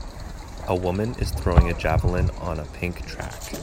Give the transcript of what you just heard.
A woman is throwing a javelin on a pink track.